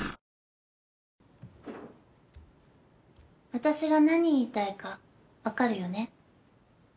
私が何言いたいか分かるよね？